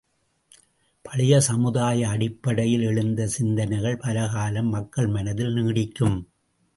பழைய சமுதாய அடிப்படையில் எழுந்த சிந்தனைகள் பல காலம் மக்கள் மனத்தில் நீடிக்கும்.